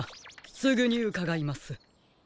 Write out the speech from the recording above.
すぐにうかがいます。